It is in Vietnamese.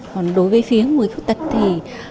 còn đối với phía người khuyết tật thì